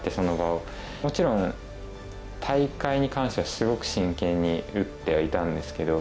もちろん大会に関してはすごく真剣に打ってはいたんですけど。